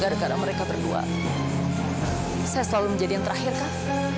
gara gara mereka berdua saya selalu menjadi yang terakhir kang